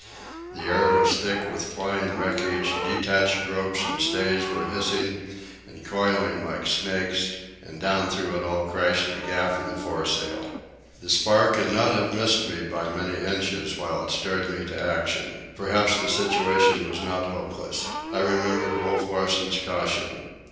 The air was thick with flying wreckage, detached ropes and stays were hissing and coiling like snakes, and down through it all crashed the gaff of the foresail. The spar could not have missed me by many inches, while it spurred me to action. Perhaps the situation was not hopeless. I remembered Wolf Larsen's caution.